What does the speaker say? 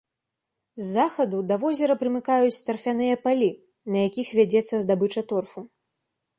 З захаду да возера прымыкаюць тарфяныя палі, на якіх вядзецца здабыча торфу.